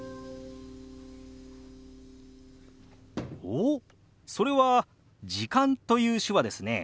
おっそれは「時間」という手話ですね。